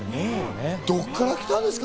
どっから来たんですか？